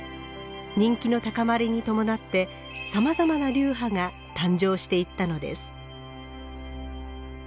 人気の高まりに伴ってさまざまな流派が誕生していったのです。